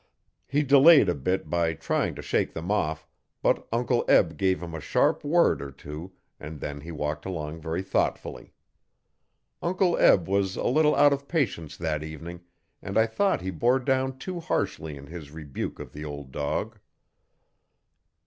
He delayed a bit by trying to shake them off, but Uncle Eb gave him a sharp word or two and then he walked along very thoughtfully. Uncle Eb was a little out of patience that evening, and I thought he bore down too harshly in his rebuke of the old dog.